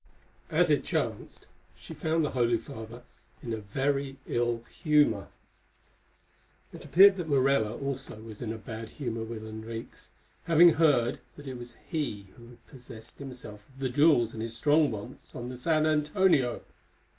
As it chanced she found the holy father in a very ill humour. It appeared that Morella also was in a bad humour with Henriques, having heard that it was he who had possessed himself of the jewels in his strong box on the San Antonio.